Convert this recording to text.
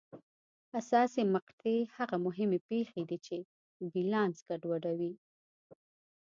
حساسې مقطعې هغه مهمې پېښې دي چې بیلانس ګډوډوي.